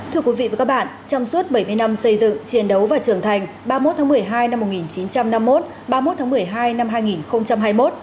thưa quý vị và các bạn trong suốt bảy mươi năm xây dựng chiến đấu và trưởng thành ba mươi một tháng một mươi hai năm một nghìn chín trăm năm mươi một ba mươi một tháng một mươi hai năm hai nghìn hai mươi một